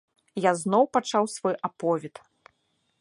Я зноў пачаў свой аповед.